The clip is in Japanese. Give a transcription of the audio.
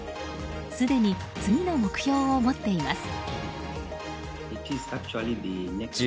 すでに次の目標を持っています。